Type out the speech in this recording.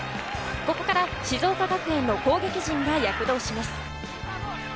ここから静岡学園の攻撃陣が躍動します。